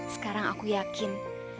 sekarang aku yakin